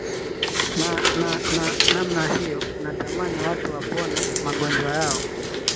na na na namna hiyo unatamani watu wapone magonjwa yao